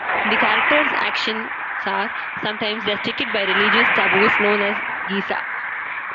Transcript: The characters' actions are sometimes restricted by religious taboos known as "geasa".